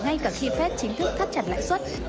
ngay cả khi fed chính thức thắt chặt lãi suất